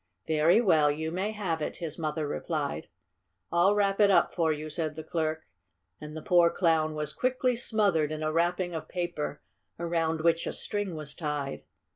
"Very well, you may have it," his mother replied. "I'll wrap it up for you," said the clerk, and the poor Clown was quickly smothered in a wrapping of paper around which a string was tied.